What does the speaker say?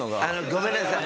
ごめんなさい。